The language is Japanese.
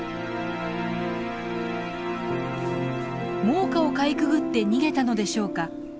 猛火をかいくぐって逃げたのでしょうか。